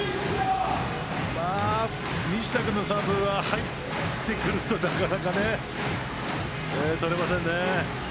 西田のサーブは入ってくると、なかなか取れませんね。